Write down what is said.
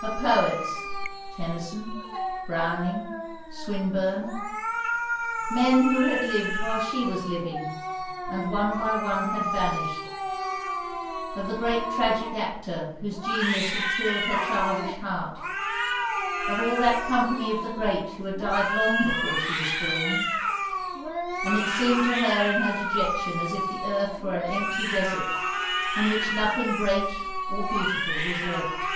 Her poets, Tennyson, Browning, Swinburne men who had lived while she was living, and one by one had vanished of the great tragic actor whose genius had thrilled her childish heart of all that company of the great who had died long before she was born and it seemed to her in her dejection as if the earth were an empty desert, in which nothing great or beautiful was left.